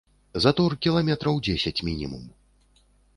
Затор кіламетраў дзесяць мінімум.